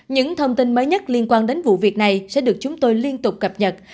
những thông tin mới nhất liên quan đến vụ việc này sẽ được chúng tôi liên tục cập nhật